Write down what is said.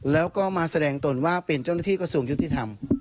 แล้วก็มาแสดงตนว่าเป็นเจ้าหน้าที่กระทรวงยุติธรรม